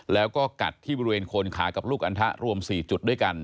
แล้วก็กัดที่บริเวณโคนขากับลูกอันทะรวม๔จุดด้วยกัน